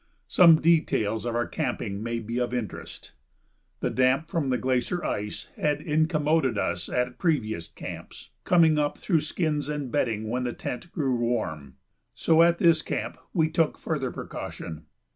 Some details of our camping may be of interest. The damp from the glacier ice had incommoded us at previous camps, coming up through skins and bedding when the tent grew warm. So at this camp we took further precaution.